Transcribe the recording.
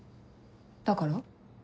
だから？